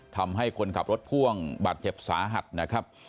ทำให้คนขับรถพ่วงบาดเจ็บสาหัสนะครับ